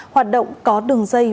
hoạt động có đường dây